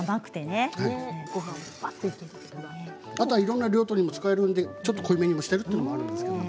あとはいろんな用途にも使えるので、ちょっと濃いめにしているということもあります。